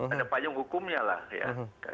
ada payung hukumnya lah ya